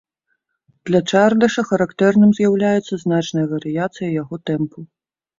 Для чардаша характэрным з'яўляецца значная варыяцыя яго тэмпу.